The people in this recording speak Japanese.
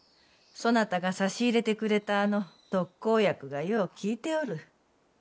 そなたが差し入れてくれたあの特効薬がよう効いておる。